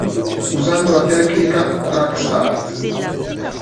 Usando la tecnica "track start".